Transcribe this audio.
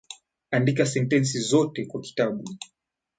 Andika sentensi zote kwa kitabu